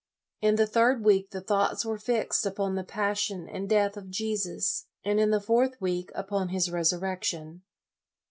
In the third week the thoughts were fixed upon the passion and death of Jesus, and in the fourth week, upon His resurrection.